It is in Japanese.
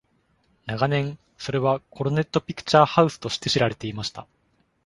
長年、それはコロネットピクチャーハウスとして知られていました。